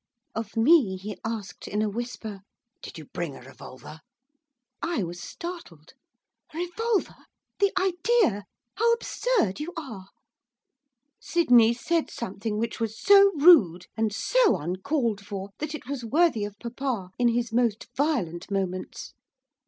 Of me he asked in a whisper, 'Did you bring a revolver?' I was startled. 'A revolver? The idea! How absurd you are!' Sydney said something which was so rude and so uncalled for! that it was worthy of papa in his most violent moments.